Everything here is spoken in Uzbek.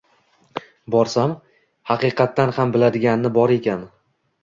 Borsam, haqiqatan ham biladigani bor ekan.